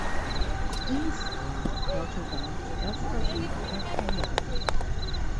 Dies war Portugals erster Sieg über Kanada.